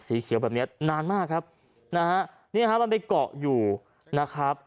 สีเขียวแบบเนี้ยนานมากครับนะฮะนี่ฮะมันไปเกาะอยู่นะครับ